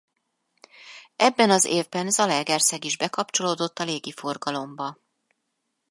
Ebben az évben Zalaegerszeg is bekapcsolódott a légiforgalomba.